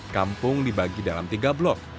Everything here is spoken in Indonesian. kampung dibagi dalam tiga blok